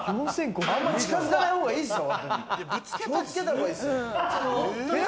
あんまり近づかない方がいいですよ。